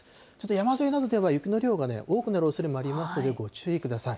山沿いなどでは雪の量が多くなるおそれもありますのでご注意ください。